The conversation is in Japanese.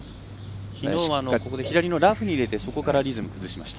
きのうは左のラフに入れてそこからリズムを崩しました。